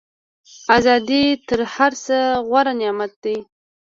ازادي تر هر څه غوره نعمت دی.